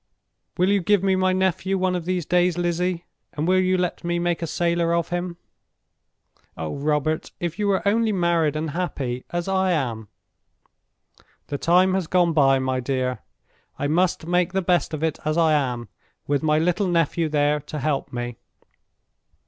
Will you give me my nephew one of these days, Lizzie, and will you let me make a sailor of him?" "Oh, Robert, if you were only married and happy, as I am!" "The time has gone by, my dear. I must make the best of it as I am, with my little nephew there to help me."